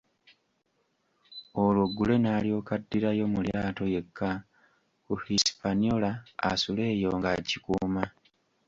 Olwo Gray n'alyoka addirayo mu lyato yekka ku Hispaniola asule eyo ng'akikuuma.